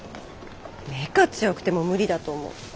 メカ強くても無理だと思う。